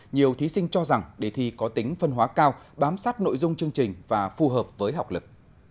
nhiều thí sinh cho rằng đề thi có tính phân hóa cao bám sát nội dung chương trình và phù hợp với học lực